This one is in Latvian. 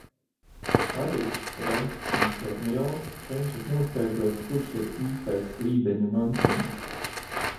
Harijs, Rons un Hermione cenšas noskaidrot, kurš ir īstais Slīdeņa mantinieks.